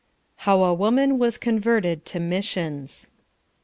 HOW A WOMAN WAS CONVERTED TO MISSIONS.